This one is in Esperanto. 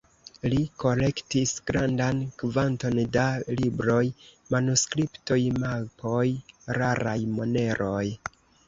Li kolektis grandan kvanton da libroj, manuskriptoj, mapoj, raraj moneroj.